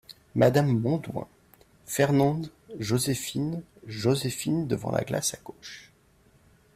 Madame Montaudoin, Fernande, Joséphine Joséphine , devant la glace, à gauche.